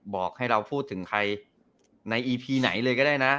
บอกให้เราพูดถึงใครในอีพีไหนเลยก็ได้นะ